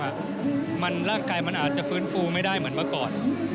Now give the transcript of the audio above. ร่างกายมันอาจจะฟื้นฟูไม่ได้เหมือนเมื่อก่อน